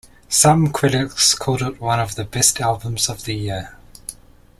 Some critics called it one of the best albums of the year.